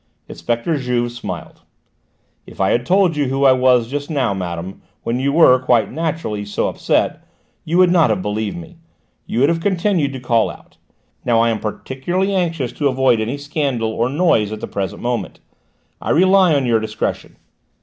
Inspector Juve smiled. "If I had told you who I was just now, madame, when you were, quite naturally, so upset, you would not have believed me. You would have continued to call out. Now, I am particularly anxious to avoid any scandal or noise at the present moment. I rely on your discretion."